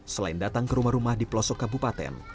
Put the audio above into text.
selain datang ke rumah rumah di pelosok kabupaten